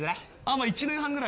まあ１年半ぐらい。